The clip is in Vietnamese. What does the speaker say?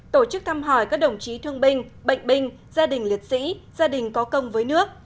tổ chức thăm hỏi các đồng chí thương binh bệnh binh gia đình liệt sĩ gia đình có công với nước